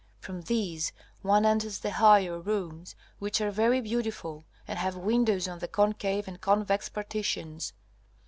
From these one enters the higher rooms, which are very beautiful, and have windows on the concave and convex partitions.